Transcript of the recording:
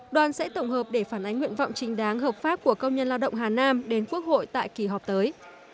đoàn sẽ tổng hợp để phản ánh nguyện vọng trình đáng hợp pháp của công nhân lao động hà nam đến quốc hội tại kỳ họp tới